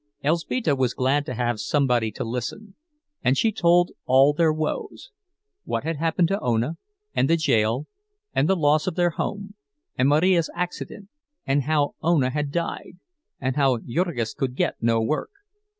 Elzbieta was glad to have somebody to listen, and she told all their woes—what had happened to Ona, and the jail, and the loss of their home, and Marija's accident, and how Ona had died, and how Jurgis could get no work.